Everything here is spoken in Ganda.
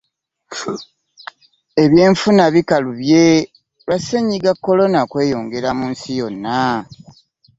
Ebyenfuna bikalubye lwa Ssennyiga Corona kweyongera mu nsi yonna.